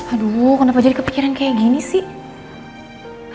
aduh kenapa jadi kepikiran kayak gini sih